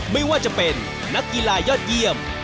ไม่ว่าจะเป็นนักกีฬายอดเยี่ยม